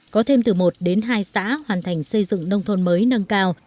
có thêm từ một đến hai xã hoàn thành xây dựng nông thôn mới nâng cao